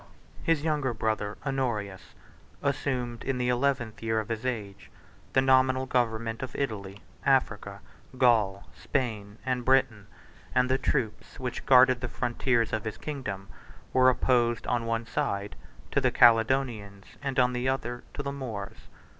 His younger brother Honorius, assumed, in the eleventh year of his age, the nominal government of Italy, Africa, Gaul, Spain, and Britain; and the troops, which guarded the frontiers of his kingdom, were opposed, on one side, to the Caledonians, and on the other, to the Moors.